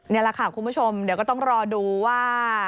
นี่แหละค่ะคุณผู้ชมเดี๋ยวก็ต้องรอดูว่า